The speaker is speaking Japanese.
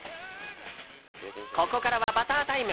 ここからはバタータイム。